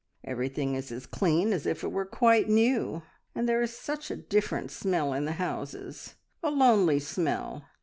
Everything is as clean as if it were quite new, and there is such a different smell in the houses a lonely smell!